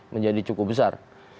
menjadi cukup besar